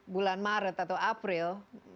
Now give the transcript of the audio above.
bulan maret atau april